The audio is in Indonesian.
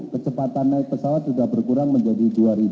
kecepatan naik pesawat sudah berkurang menjadi dua